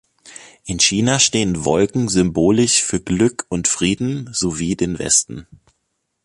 In China stehen Wolken symbolisch für Glück und Frieden sowie den Westen.